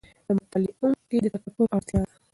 د مطالعې عمق کې د تفکر اړتیا ده.